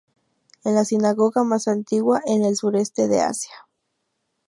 Es la sinagoga más antigua en el sureste de Asia.